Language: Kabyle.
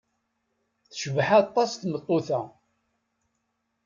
Tecbeḥ aṭas tmeṭṭut-a.